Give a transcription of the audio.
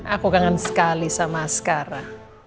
aku kangen sekali sama sekarang